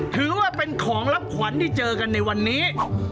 ถือว่าเป็นของรับขวัญที่เจอกันในวันนี้